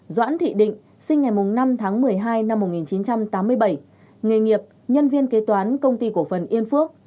doãn thị định sinh ngày năm tháng một mươi hai năm một nghìn chín trăm tám mươi bảy nghề nghiệp nhân viên kế toán công ty cổ phần yên phước